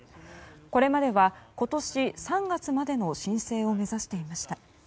これまでは今年３月までの申請を目指していました。